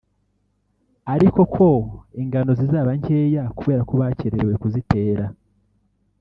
ariko ko ingano zizaba nkeya kubera ko bakererewe kuzitera